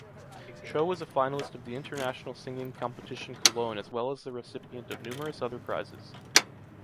Cho was a finalist of the International Singing Competition Cologne as well as the recipient of numerous other prizes.